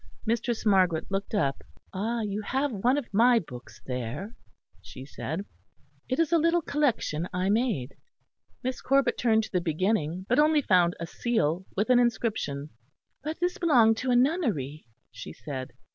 Mistress Margaret looked up. "Ah! you have one of my books there," she said. "It is a little collection I made." Miss Corbet turned to the beginning, but only found a seal with an inscription. "But this belonged to a nunnery," she said.